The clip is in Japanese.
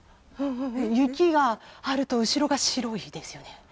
雪があると後ろが白いですよね。